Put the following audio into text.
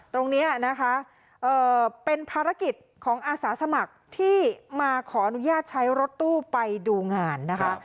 ตรงนี้นะคะเป็นภารกิจของอาสาสมัครที่มาขออนุญาตใช้รถตู้ไปดูงานนะคะ